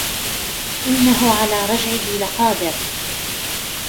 إِنَّهُ عَلَىٰ رَجْعِهِ لَقَادِرٌ